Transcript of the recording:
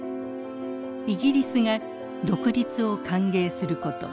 イギリスが独立を歓迎すること。